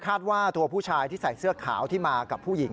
ว่าตัวผู้ชายที่ใส่เสื้อขาวที่มากับผู้หญิง